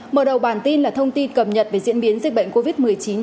mở đầu bản tin là thông tin cập nhật về diễn biến dịch bệnh covid một mươi chín